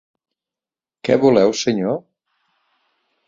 Què voleu, senyor?